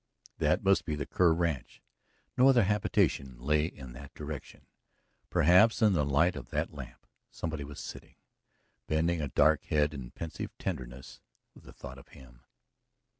That must be the Kerr ranch; no other habitation lay in that direction. Perhaps in the light of that lamp somebody was sitting, bending a dark head in pensive tenderness with a thought of him.